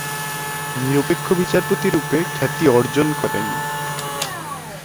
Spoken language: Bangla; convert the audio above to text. নিরপেক্ষ বিচারপতি রূপে খ্যাতি অর্জন করেন।